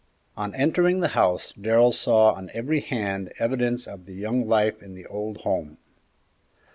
On entering the house Darrell saw on every hand evidences of the young life in the old home.